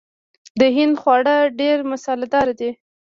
د هند خواړه ډیر مساله دار دي.